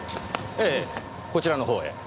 ええこちらのほうへ。